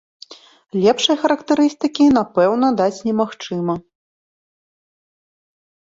Лепшай характарыстыкі, напэўна, даць немагчыма!